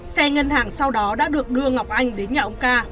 xe ngân hàng sau đó đã được đưa ngọc anh đến nhà ông ca